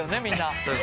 みんな。